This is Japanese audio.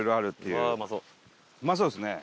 うまそうですね。